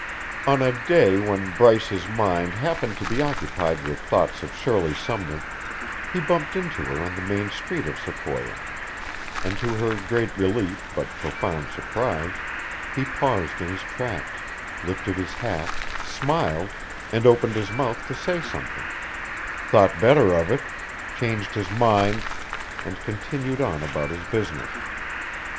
On a day when Bryce's mind happened to be occupied with thoughts of Shirley Sumner, he bumped into her on the main street of Sequoia, and to her great relief but profound surprise, he paused in his tracks, lifted his hat, smiled, and opened his mouth to say something thought better of it, changed his mind, and continued on about his business.